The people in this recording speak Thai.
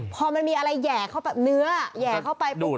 พอมันมีอะไรแห่เข้าแบบเนื้อแห่เข้าไปปุ๊บ